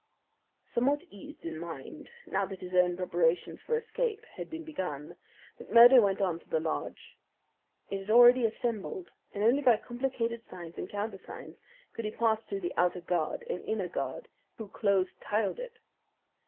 Somewhat eased in mind, now that his own preparations for escape had been begun, McMurdo went on to the lodge. It had already assembled, and only by complicated signs and countersigns could he pass through the outer guard and inner guard who close tiled it.